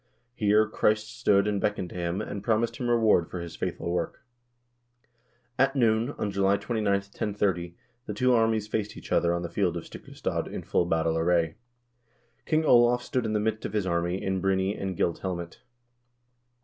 Here Christ stood and beckoned to him, and promised him reward for his faithful work. At noon, on July 29, 1030, the two armies faced each other on the field of Stikle stad in full battle array. King Olav stood in the midst of his army in brynie and gilt helmet.